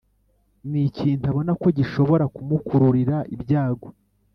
n’ikintu abona ko gishobora kumukururira ibyago